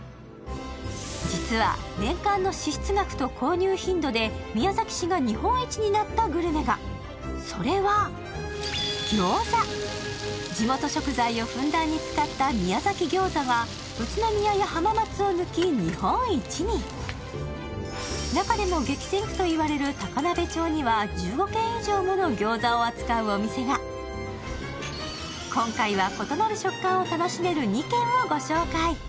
実は年間の支出額と購入頻度で宮崎市が日本一になったグルメがそれは地元食材をふんだんに使った宮崎餃子は宇都宮や浜松を抜き日本一に中でも激戦区といわれる高鍋町には１５軒以上もの餃子を扱うお店が今回は異なる食感を楽しめる２軒をご紹介